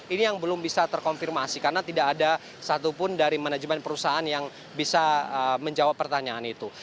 ini yang belum bisa terkonfirmasi karena tidak ada satupun dari manajemen perusahaan yang bisa menjawab pertanyaan itu